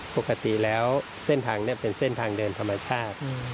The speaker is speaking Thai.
ปกติแล้วเส้นทางนี้เป็นเส้นทางเดินธรรมชาติ